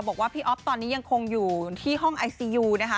บอกว่าพี่อ๊อฟตอนนี้ยังคงอยู่ที่ห้องไอซียูนะคะ